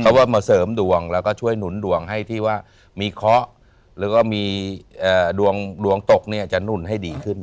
เขาว่ามาเสริมดวงแล้วก็ช่วยหนุนดวงให้ที่ว่ามีเคาะแล้วก็มีดวงตกเนี่ยจะหนุ่นให้ดีขึ้น